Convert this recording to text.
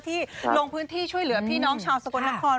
ลงพื้นที่ช่วยเหลือพี่น้องชาวสกลนคร